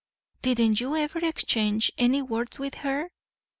Didn't you ever exchange any words with her?